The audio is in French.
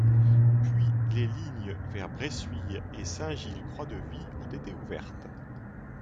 Puis les lignes vers Bressuire et Saint-Gilles-Croix-de-Vie ont été ouvertes.